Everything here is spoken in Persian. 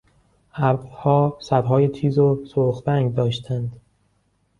ابرها سرهای تیز و سرخ رنگ داشتند.